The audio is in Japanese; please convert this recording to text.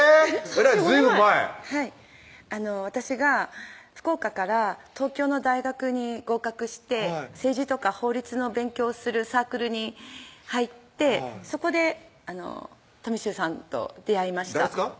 えらいずいぶん前はい私が福岡から東京の大学に合格して政治とか法律の勉強をするサークルに入ってそこでとみしゅうさんと出会いました誰ですか？